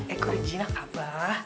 eh kok ada jinak abah